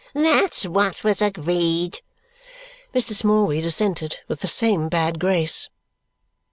"That's what was agreed," Mr. Smallweed assented with the same bad grace.